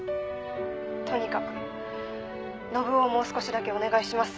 とにかく信男をもう少しだけお願いします。